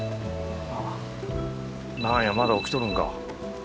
何やまだ起きとるんか